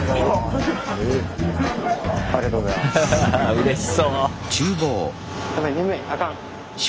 うれしそう！